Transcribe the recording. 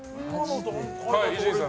伊集院さん。